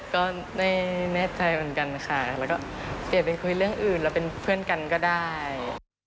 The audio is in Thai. ก็ไม่แน่ใจเหมือนกันค่ะแล้วก็เปลี่ยนไปคุยเรื่องอื่นแล้วเป็นเพื่อนกันก็ได้